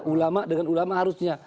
ulama dengan ulama harusnya